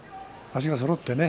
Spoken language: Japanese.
足がそろってね。